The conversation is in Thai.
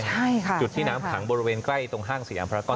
ใช่ค่ะใช่ค่ะจุดที่น้ำขังบริเวณใกล้ตรงห้างศรีอำพลากร